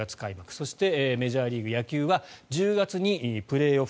そしてメジャーリーグは１０月プレーオフ。